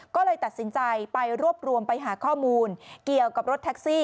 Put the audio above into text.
ก็เลยตัดสินใจไปรวบรวมไปหาข้อมูลเกี่ยวกับรถแท็กซี่